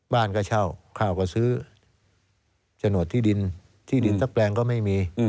บ้านก็เช่าข้าวก็ซื้อโฉนดที่ดินที่ดินสักแปลงก็ไม่มี